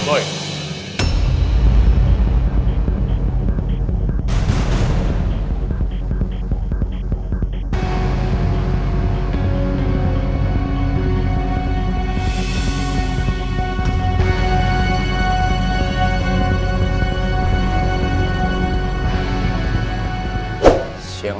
semoga itu lebih perempuan